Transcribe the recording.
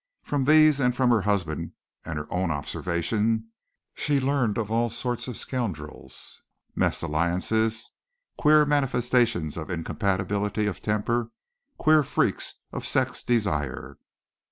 From these and from her husband and her own observation she learned of all sorts of scoundrels, mes alliances, queer manifestations of incompatibility of temper, queer freaks of sex desire.